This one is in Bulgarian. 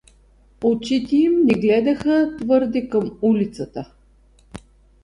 Очите им не гледаха твърде към улицата.